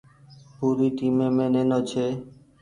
پوري ٽيمي مين نينو ڇي۔